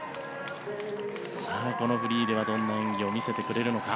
このフリーではどんな演技を見せてくれるのか。